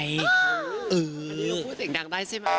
พูดเสียงดังได้ใช่ไหม